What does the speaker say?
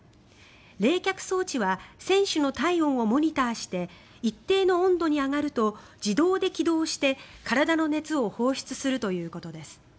冷却装置は選手の体温をモニターして一定の温度に上がると自動で起動して体の熱を放出するということです。